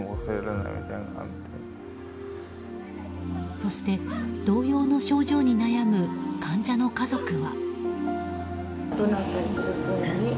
そして同様の症状に悩む患者の家族は。